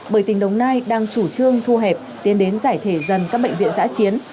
bởi tỉnh đồng nai đang chủ trương thu hẹp tiến đến giải thể dần các bệnh viện giã chiến